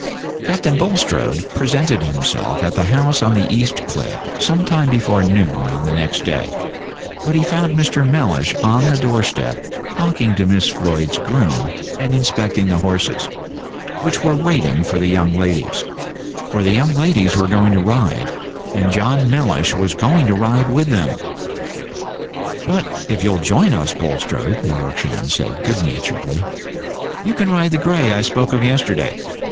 Captain Bulstrode presented himself at the house on the East Cliff some time before noon on the next day, but he found Mr. Mellish on the door step talking to Miss Floyd's groom and inspecting the horses, which were waiting for the young ladies; for the young ladies were going to ride, and John Mellish was going to ride with them. "But if you'll join us, Bulstrode," the Yorkshireman said, good naturedly, "you can ride the gray I spoke of yesterday.